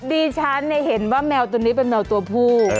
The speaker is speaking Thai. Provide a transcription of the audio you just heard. ดิฉันเห็นว่าแมวตัวนี้เป็นแมวตัวผู้